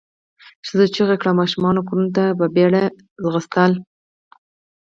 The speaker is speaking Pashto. ښځو چیغې کړې او ماشومانو کورونو ته په بېړه منډې ووهلې.